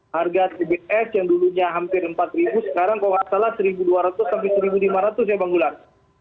harga tbs yang dulunya hampir rp empat sekarang kalau nggak salah rp satu dua ratus sampai rp satu lima ratus ya bang ular